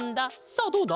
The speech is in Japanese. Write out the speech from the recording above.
さあどうだ？